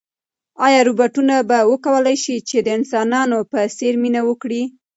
ایا روبوټونه به وکولای شي چې د انسانانو په څېر مینه وکړي؟